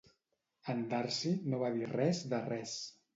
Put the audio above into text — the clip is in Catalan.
En Darcy no va dir res de res.